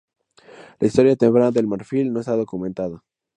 La historia temprana del marfil no está documentada.